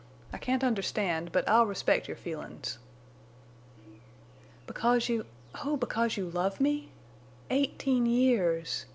I can't understand, but I'll respect your feelin's." "Because you—oh, because you love me?... Eighteen years!